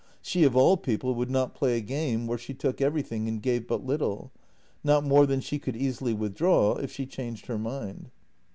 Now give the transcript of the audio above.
She, of all people, would not play a game where she took everything and gave but little — not more than she could easily withdraw, if she changed her mind.